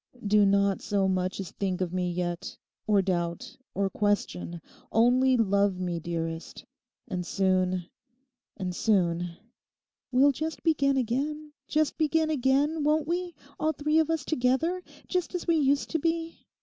'Do not so much as think of me yet, or doubt, or question: only love me, dearest. And soon—and soon—' 'We'll just begin again, just begin again, won't we? all three of us together, just as we used to be.